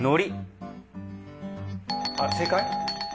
あっ正解？